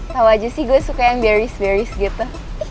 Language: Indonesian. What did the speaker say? tau aja sih gue suka yang berries berries gitu